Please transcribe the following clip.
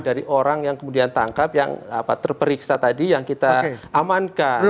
dari orang yang kemudian tangkap yang terperiksa tadi yang kita amankan